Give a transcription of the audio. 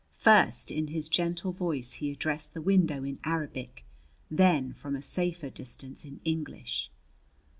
First, in his gentle voice he addressed the window in Arabic; then from a safer distance in English.